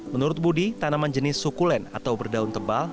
menurut budi tanaman jenis sukulen atau berdaun tebal